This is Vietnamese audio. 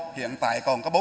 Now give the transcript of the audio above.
hiện tại còn có bốn